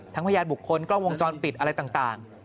พยานบุคคลกล้องวงจรปิดอะไรต่าง